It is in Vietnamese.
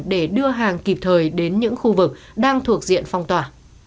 để đưa hàng kịp thời đến những khu vực đang thuộc diện phong tỏa